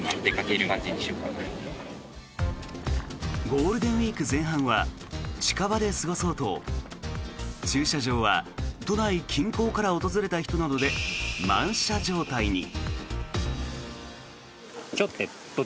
ゴールデンウィーク前半は近場で過ごそうと駐車場は都内近郊から訪れた人などで満車状態に。